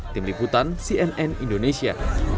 tim liputan cnn indonesia